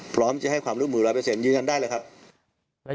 พร้อมจะให้ความร่วมมือ๑๐๐ยืนยันได้เลยครับ